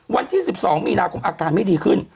วันที่๑๒มีนาคมอาการไม่ดีขึ้น